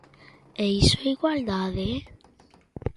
É iso igualdade?